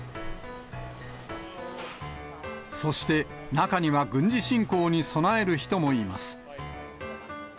そして中には軍事侵攻に備える人もいます。